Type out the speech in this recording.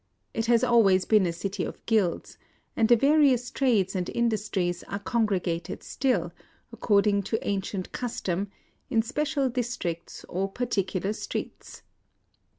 It has always been a city of guilds ; and the various trades and industries are congregated still, according to ancient custom, in special districts or particu lar streets.